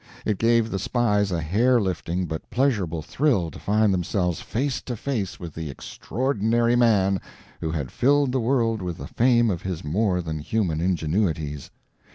It gave the spies a hair lifting but pleasurable thrill to find themselves face to face with the Extraordinary Man who had filled the world with the fame of his more than human ingenuities.